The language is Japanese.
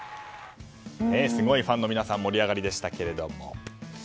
すごいファンの皆さんの盛り上がりでしたけども。